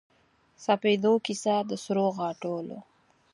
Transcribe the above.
سپیدو کیسه د سروغاټولو